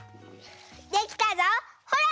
できたぞほら！